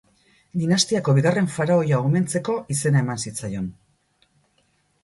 Dinastiako bigarren faraoia omentzeko izena eman zitzaion.